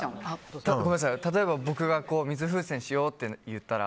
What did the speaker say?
例えば僕が水風船しようって言ったら？